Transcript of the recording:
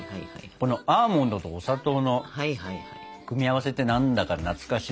このアーモンドとお砂糖の組み合わせって何だか懐かしいし。